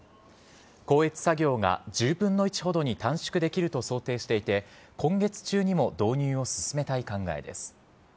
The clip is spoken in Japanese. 校閲作業が１０分の１ほどに短縮できると想定していて、今月中にも導入を進めたい考えです。